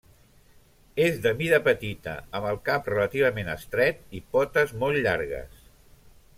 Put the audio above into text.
És de mida petita, amb el cap relativament estret, i potes molt llargues.